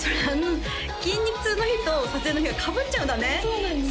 筋肉痛の日と撮影の日がかぶっちゃうんだねそうなんですよ